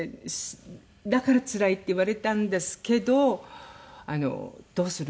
「だからつらい」って言われたんですけど。